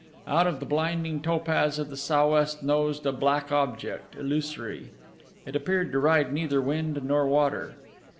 Out of the blinding topaz of the sou'west nosed a black object, illusory. It appeared to ride neither wind nor water.